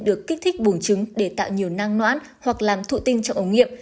được kích thích bùng trứng để tạo nhiều năng noãn hoặc làm thụ tinh trong ống nghiệm